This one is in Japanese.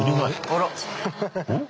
あら。